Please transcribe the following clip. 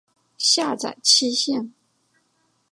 下载期限